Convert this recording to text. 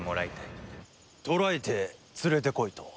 捕らえて連れてこいと？